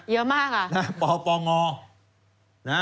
เยอะมากอะ